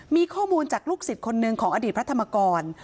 มีข้อมูลจากลูกศิษย์คนหนึ่งของอดีตพระธรรมกร